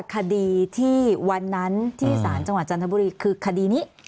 คดีที่วันนั้นที่ศาลจังหวัดจันทบุรีคือคดีนี้